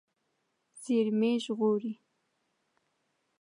زیرمې ژغورئ.